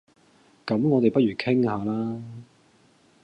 咁我哋不如傾吓啦